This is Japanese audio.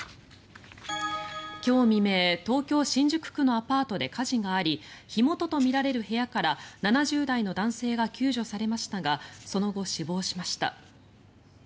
今日未明、東京・新宿区のアパートで火事があり火元とみられる部屋から７０代の男性が救助されましたがその後、死亡しました。